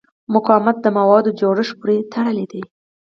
مقاومت د موادو جوړښت پورې تړلی دی.